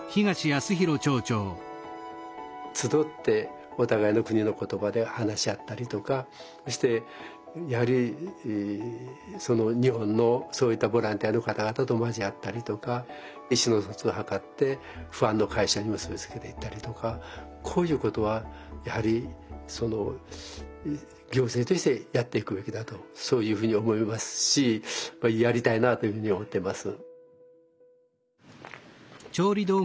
集ってお互いの国の言葉で話し合ったりとかそしてやはり日本のそういったボランティアの方々と交わったりとか意思の疎通を図って不安の解消に結び付けていったりとかこういうことはやはり行政としてやっていくべきだとそういうふうに思いますしやりたいなというふうに思ってます。